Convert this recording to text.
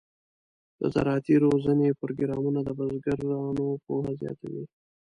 د زراعتي روزنې پروګرامونه د بزګرانو پوهه زیاتوي.